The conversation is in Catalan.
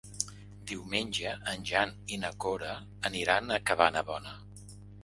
Diumenge en Jan i na Cora aniran a Cabanabona.